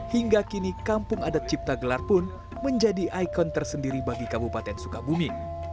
hingga kini kampung adat cipta gelar pun menjadi ikon tersendiri bagi kabupaten sukabumi